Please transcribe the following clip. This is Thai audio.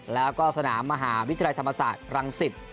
แล้วก็สนามมหาวิทยาลัยธรรมศาสตร์รังสิต